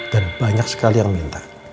dan banyak sekali yang minta